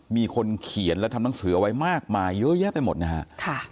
มีคนเขียนและทำหนังสือเอาไว้มากมายเยอะแยะไปหมดนะฮะ